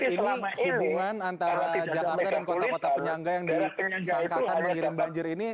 ini hubungan antara jakarta dan kota kota penyangga yang disangkakan mengiram banjir ini